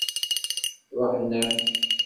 Ṛuḥen-am.